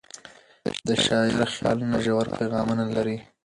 د شاعر خیالونه ژور پیغامونه لري.